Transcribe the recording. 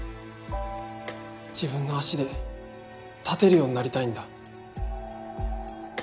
自分の足で立てるようになりたいんだ。